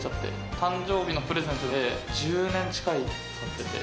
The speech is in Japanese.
誕生日のプレゼントで、１０年近く使ってて。